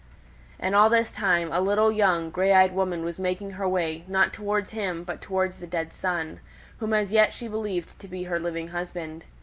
And all this time a little young grey eyed woman was making her way, not towards him, but towards the dead son, whom as yet she believed to be her living husband.